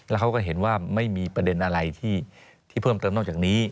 แล้วเขาก็เห็นว่าไม่มีประเด็นอะไรที่เพิ่มเติมนอกจากนี้